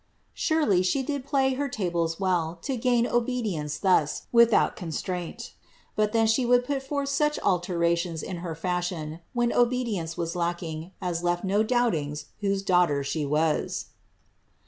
Surely, she did play her tables well, to gain obedience lhii% without constraint ; but then she could put forth such alterations in her &shion, when obedience was lacking, as left no doubtings whose daughter she was."